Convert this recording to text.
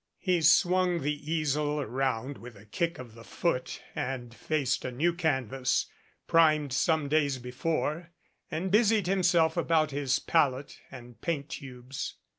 He swung the easel around with a kick of the foot and faced a new canvas, primed some days before, and busied himself about his palette and paint tubes.